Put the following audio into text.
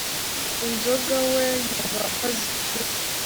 Inzoga we yumva atazinywa